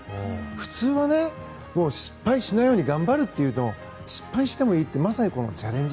普通は失敗しないように頑張るけど失敗してもいいってチャレンジ